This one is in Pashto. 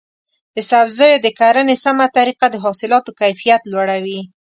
د سبزیو د کرنې سمه طریقه د حاصلاتو کیفیت لوړوي.